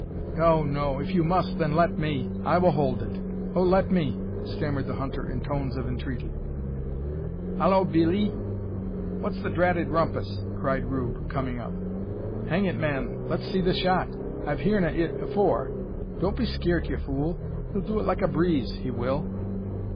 "No, no! If you must, then, let me! I will hold it. Oh, let me!" stammered the hunter, in tones of entreaty. "Hollo, Billee! What's the dratted rumpus?" cried Rube, coming up. "Hang it, man! let's see the shot. I've heern o' it afore. Don't be skeert, ye fool! he'll do it like a breeze; he will!"